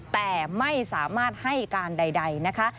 แต่ไม่สามารถให้การใดนะคะ